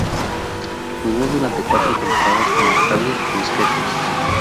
Jugó durante cuatro temporadas con los Xavier Musketeers.